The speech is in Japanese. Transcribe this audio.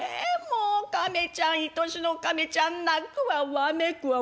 もう亀ちゃんいとしの亀ちゃん泣くわわめくわ。